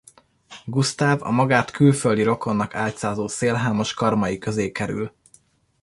Gusztáv a magát külföldi rokonnak álcázó szélhámos karmai közé kerül.